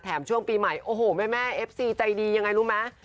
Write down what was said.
ช่วงปีใหม่โอ้โหแม่เอฟซีใจดียังไงรู้ไหม